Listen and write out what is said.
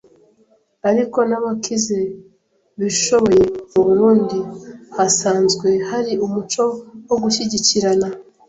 ariko n'abakize bishoboye mu Burundi hasanzwe hari umuco wo gushyigikirana